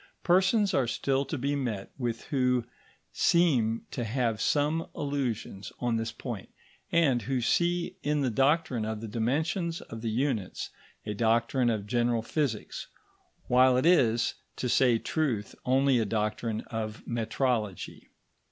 Persons are still to be met with who seem to have some illusions on this point, and who see in the doctrine of the dimensions of the units a doctrine of general physics, while it is, to say truth, only a doctrine of metrology.